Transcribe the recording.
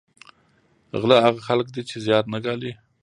غله هغه خلک دي چې زیار نه ګالي